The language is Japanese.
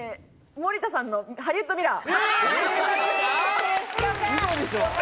森田さんのハリウッドミラー。